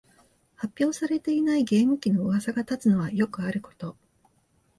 発表されていないゲーム機のうわさが立つのはよくあること